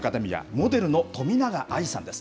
モデルの冨永愛さんです。